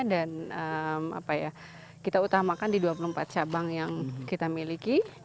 dan kita utamakan di dua puluh empat cabang yang kita miliki